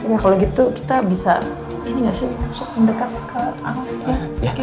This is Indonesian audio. ya kalau gitu kita bisa ini nggak sih masuk mendekat ke al ya